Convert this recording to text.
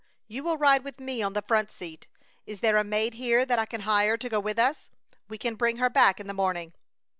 You will ride with me on the front seat. Is there a maid here that I can hire to go with us? We can bring her back in the morning."